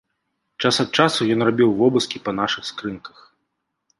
Час ад часу ён рабіў вобыскі па нашых скрынках.